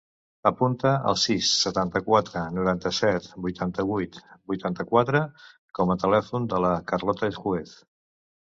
Apunta el sis, setanta-quatre, noranta-set, vuitanta-vuit, vuitanta-quatre com a telèfon de la Carlota Juez.